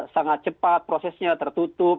sangat cepat prosesnya tertutup